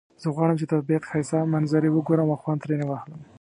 زه غواړم چې د طبیعت ښایسته منظری وګورم او خوند ترینه واخلم